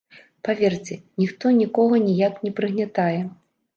Паверце, ніхто нікога ніяк не прыгнятае.